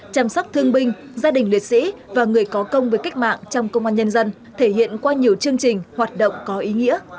chăm sóc thương binh gia đình liệt sĩ và người có công với cách mạng trong công an nhân dân thể hiện qua nhiều chương trình hoạt động có ý nghĩa